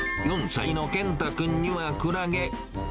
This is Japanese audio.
４歳の健汰くんにはクラゲ。